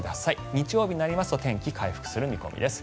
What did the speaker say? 日曜日になりますと天気、回復する見込みです。